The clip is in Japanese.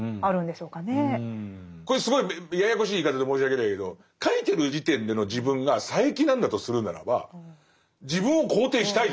これすごいややこしい言い方で申し訳ないけど書いてる時点での自分が佐柄木なんだとするならば自分を肯定したいじゃないですか。